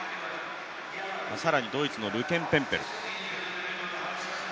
更にドイツのルケンケムペル。